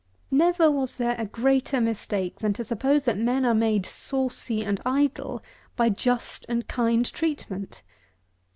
Never was there a greater mistake than to suppose that men are made saucy and idle by just and kind treatment.